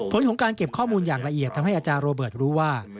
ผลของการเก็บข้อมูลอย่างละเอียดทำให้อาจารย์โรเบิร์ตรู้ว่า